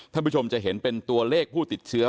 ท่านผู้ชมจะเห็นเป็นตัวเลขผู้ติดเชื้อ